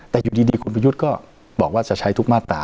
แต่อยู่ดีคุณประยุทธ์ก็บอกว่าจะใช้ทุกมาตรา